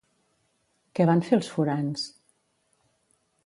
Què van fer els forans?